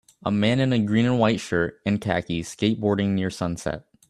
A man in a green and white shirt and khakis skateboarding near sunset